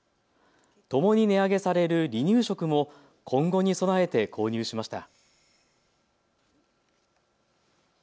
ともに値上げされる離乳食も今後に備えて購入しました。